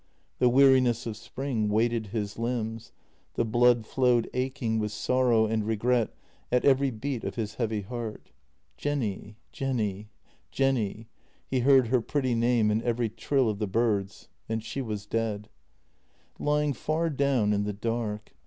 The weariness of spring weighted his limbs, the blood flowed aching with sorrow and regret at every beat of his heavy heart. Jenny — Jenny — Jenny — he heard her pretty name in every trill of the birds — and she was dead. Lying far down in the dark.